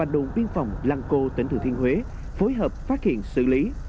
đồn biên phòng lăng cô tỉnh thừa thiên huế phối hợp phát hiện xử lý